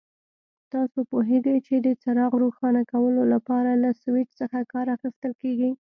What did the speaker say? تاسو پوهیږئ چې د څراغ روښانه کولو لپاره له سوېچ څخه کار اخیستل کېږي.